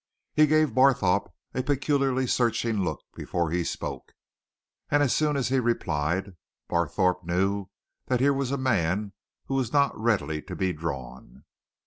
He gave Barthorpe a peculiarly searching look before he spoke, and as soon as he replied Barthorpe knew that here was a man who was not readily to be drawn.